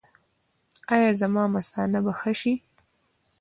ایا زما مثانه به ښه شي؟